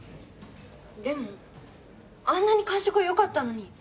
でもあんなに感触はよかったのに。